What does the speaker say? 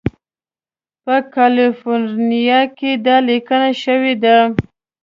په کالیفورنیا کې دا لیکنه شوې ده.